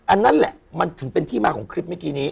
อันนั้นแหละมันถึงเป็นที่มาของคลิปเมื่อกี้นี้